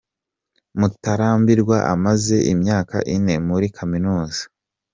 Mutarambirwa amaze imyaka ine muri kaminuza.